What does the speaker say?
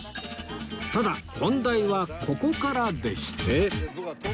ただ本題はここからでして